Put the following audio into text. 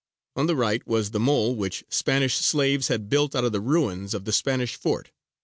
On the right was the mole which Spanish slaves had built out of the ruins of the Spanish fort.